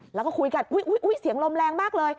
แล้วก็คุยกันอุ๊ยเสียงลมแรงมากเลย